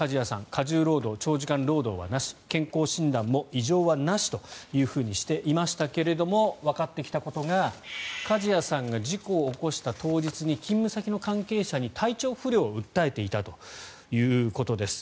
過重労働、長時間労働はなし健康診断も異常なしとしていましたがわかってきたことが梶谷さんが事故を起こした当日に勤務先の関係者に体調不良を訴えていたということです。